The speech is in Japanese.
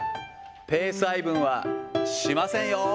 ペース配分はしませんよ。